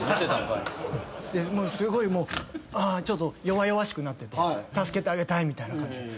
すごいもうちょっと弱々しくなってて助けてあげたいみたいな感じ。